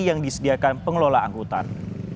yang disediakan pengelola angkutan